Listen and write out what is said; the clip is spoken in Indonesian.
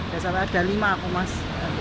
biasanya ada lima aku mas